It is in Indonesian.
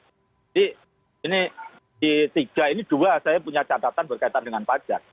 jadi ini tiga ini dua saya punya catatan berkaitan dengan pajak